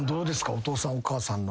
お父さんお母さんの。